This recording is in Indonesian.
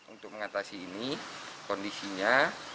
untuk mengatasi ini kondisinya